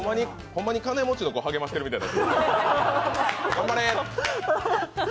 ほんまに金持ちの子励ましてるみたい。